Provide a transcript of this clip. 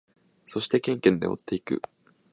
そしてケンケンで追っていく。